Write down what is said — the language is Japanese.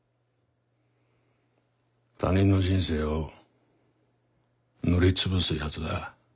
他人の人生を塗り潰すやつが嫌いだ。